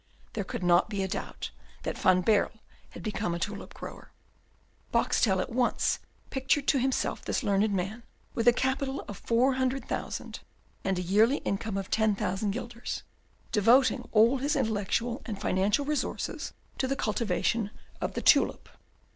There could not be a doubt that Van Baerle had become a tulip grower. Boxtel at once pictured to himself this learned man, with a capital of four hundred thousand and a yearly income of ten thousand guilders, devoting all his intellectual and financial resources to the cultivation of the tulip.